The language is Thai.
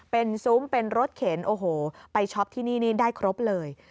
เป็นซุ้มเป็นรถเข็นโอ้โหไปช็อปที่นี่นี่ได้ครบเลย